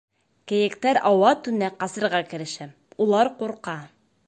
Кейектәр ауа-түнә ҡасырға керешә — улар ҡурҡа.